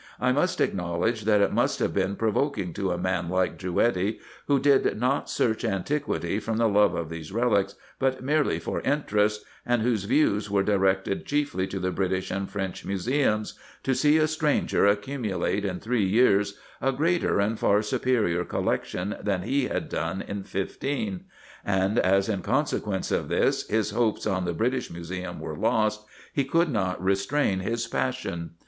I must acknowledge, that it must have been provoking to a man like Drouetti, who did not search antiquity from the love of these relics, but merely for interest, and whose views were directed chiefly to the British and French Museums, to see a stranger accumulate in three years a greater and far superior collection than he had done in fifteen ; and, as in consequence of this, his hopes on the British Museum were lost, he could not restrain his passion.